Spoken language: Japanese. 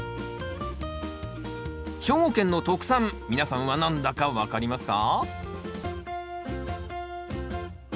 兵庫県の特産皆さんは何だか分かりますか？